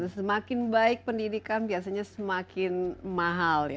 semakin baik pendidikan biasanya semakin mahal ya